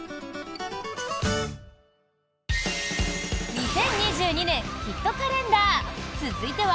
２０２２年ヒットカレンダー続いては。